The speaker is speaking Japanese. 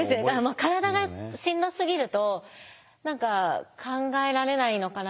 体がしんどすぎると何か考えられないのかな